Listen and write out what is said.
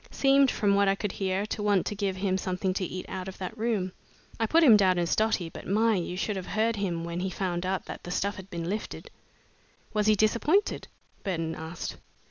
Seemed, from what I could hear, to want to give him something to eat out of that room. I put him down as dotty, but my! you should have heard him when he found out that the stuff had been lifted!" "Was he disappointed?" Burton asked.